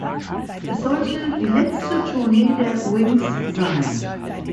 Es sollte die letzte Tournee der Wings sein.